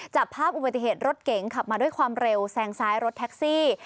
จับภาพอุบัติเหตุรถเก๋งขับมาด้วยความเร็วแซงซ้ายรถแท็กซี่